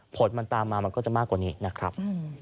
ผลมันตามมามันก็จะมากกว่านี้นะครับ